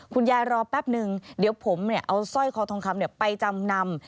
รอแป๊บนึงเดี๋ยวผมเอาสร้อยคอทองคำไปจำนำ